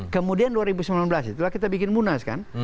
kemudian dua ribu sembilan belas itulah kita bikin munas kan